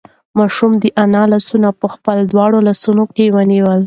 ماشوم د انا لاسونه په خپلو دواړو لاسو کې ونیول.